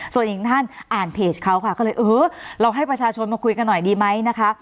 ส่วนอีกท่านอ่านเพจเขาค่ะก็เลยเออเราให้ประชาชนมาคุยกันหน่อยดีไหมนะคะ